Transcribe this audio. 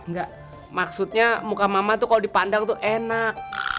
enggak maksudnya muka mama tuh kalau dipandang tuh enak